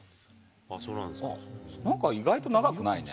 あっ、なんか意外と長くないね。